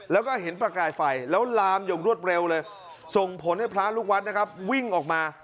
แล้วก็เห็นประกายไฟแล้วลามอย่างรวดเร็วเลยส่งผลให้พระลูกวัดนะครับวิ่งออกมา